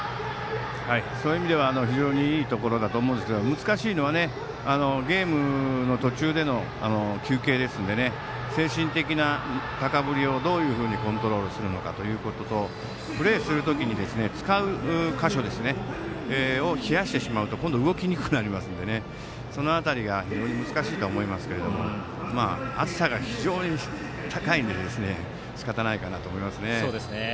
そういう意味では非常にいいところだと思いますが難しいのはゲームの途中での休憩ですので精神的な高ぶりをどうコントロールするのかとプレーする時、使う箇所を冷やしてしまうと、今度は動きにくくなってしまうのでその辺りが非常に難しいと思いますがまあ、暑さが非常に高いので仕方ないかなと思います。